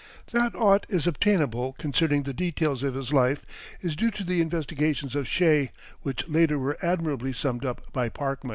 That aught is obtainable concerning the details of his life is due to the investigations of Shea, which later were admirably summed up by Parkman.